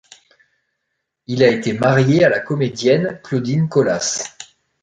Il a été marié à la comédienne Claudine Collas.